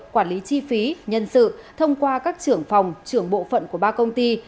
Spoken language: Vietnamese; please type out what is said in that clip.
quản lý chi phí nhân sự thông qua các trưởng phòng trưởng bộ phận của ba công ty